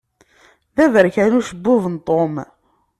D aberkan ucebbub n Tom.